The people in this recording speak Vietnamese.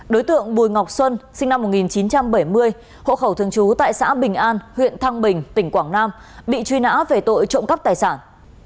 đối tượng bùi ngọc xuân sinh năm một nghìn chín trăm bảy mươi hộ khẩu thường trú tại xã bình an huyện thăng bình tỉnh quảng nam bị truy nã về tội trộm cắp tài sản